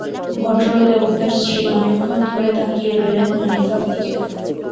ভদ্রলোক এবং তাঁর স্ত্রী অনেকক্ষণ ধরে তাকিয়ে রইলেন হানিফার দিকে।